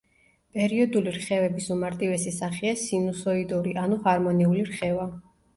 პერიოდული რხევების უმარტივესი სახეა სინუსოიდური, ანუ ჰარმონიული რხევა.